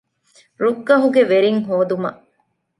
ރުއްގަހުގެ ވެރިން ހޯދުމަށް